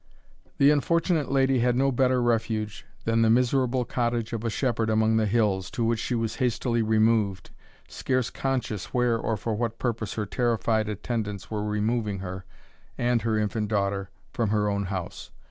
The unfortunate lady had no better refuge than the miserable cottage of a shepherd among the hills, to which she was hastily removed, scarce conscious where or for what purpose her terrified attendants were removing her and her infant daughter from her own house.